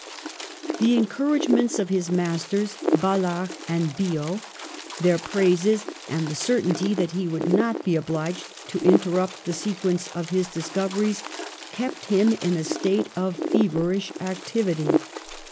The encouragements of his masters, Balard and Biot, their praises, and the certainty that he would not be obliged to interrupt the se quence of his discoveries kept him in a state of feverish activity.